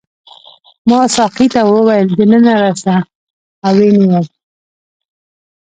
ما ساقي ته وویل دننه راشه او ویې نیوم.